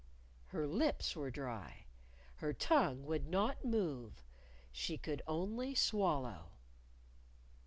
Her lips were dry. Her tongue would not move. She could only swallow.